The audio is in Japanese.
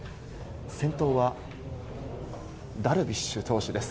先頭はダルビッシュ投手です。